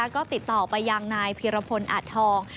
ก็ติดต่อไปยังนายพีรพลอาจทอง